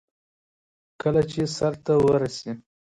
نورستان د افغانستان د امنیت په اړه هم پوره اغېز لري.